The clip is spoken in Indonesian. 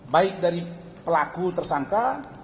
baik dari pelaku tersangka